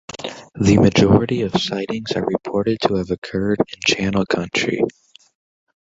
The majority of sightings are reported to have occurred in Channel Country.